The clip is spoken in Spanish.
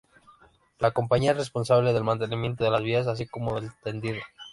La compañía es responsable del mantenimiento de las vías así como del tendido.